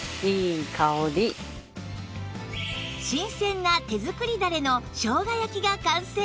新鮮な手作りだれの生姜焼きが完成